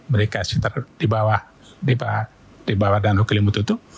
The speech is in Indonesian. mereka di bawah danau kelimut itu